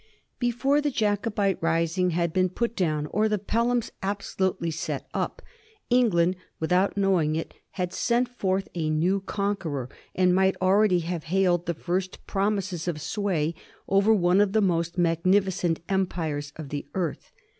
Before the Jacobite rising had been put down, or the Pelhams absolutely set up, England, without knowing it, had sent forth a new conqueror, and might already have hailed the first promises of sway over one of the most magnificent empire! of the earth.